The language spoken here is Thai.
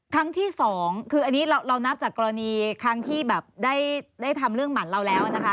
ครั้งที่สองคืออันนี้เรานับจากกรณีครั้งที่แบบได้ทำเรื่องหมั่นเราแล้วนะคะ